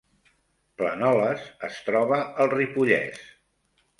Planoles es troba al Ripollès